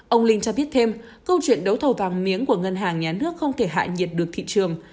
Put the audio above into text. ông linh cho biết thêm câu chuyện đấu thầu vàng miếng của ngân hàng nhà nước không thể hạ nhiệt được thị trường